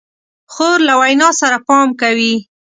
خور له وینا سره پام کوي.